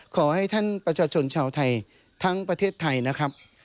ขอให้ท่านประชาชนชาวไทยทั้งประเทศไทยนะครับ